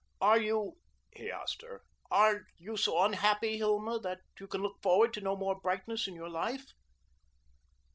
"Are you," he asked her, "are you so unhappy, Hilma, that you can look forward to no more brightness in your life?"